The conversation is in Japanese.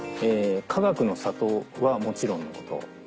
かがくの里はもちろんのこと